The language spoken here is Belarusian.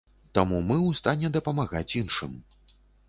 Таму мы ў стане дапамагаць іншым.